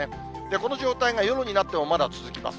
この状態が夜になってもまだ続きます。